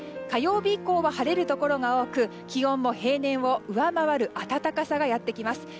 火曜日以降は晴れるところが多く気温も平年を上回る暖かさがやってきます。